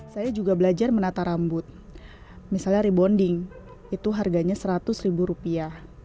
saya juga belajar menata rambut misalnya rebonding itu harganya seratus ribu rupiah